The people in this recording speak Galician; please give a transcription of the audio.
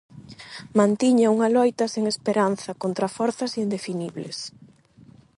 Mantiña unha loita sen esperanza contra forzas indefinibles.